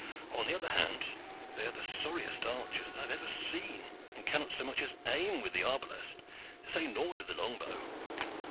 On the other hand, they are the sorriest archers that I have ever seen, and cannot so much as aim with the arbalest, to say nought of the long bow.